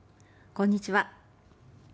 こんにちは。